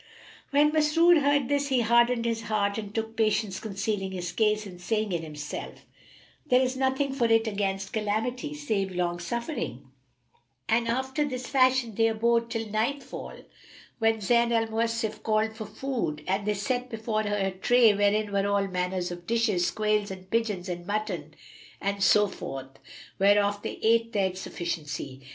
When Masrur heard this, he hardened his heart and took patience concealing his case and saying in himself, "There is nothing for it against calamity save long suffering;" and after this fashion they abode till nightfall when Zayn al Mawasif called for food and they set before her a tray wherein were all manner of dishes, quails and pigeons and mutton and so forth, whereof they ate their sufficiency.